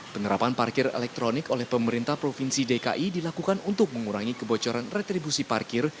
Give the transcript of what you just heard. penerapan parkir elektronik oleh pemerintah provinsi dki dilakukan untuk mengurangi kebocoran retribusi parkir